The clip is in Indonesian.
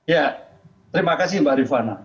ya terima kasih mbak rifana